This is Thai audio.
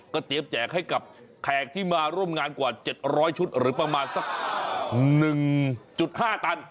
เตรียมแจกให้กับแขกที่มาร่วมงานกว่า๗๐๐ชุดหรือประมาณสัก๑๕ตัน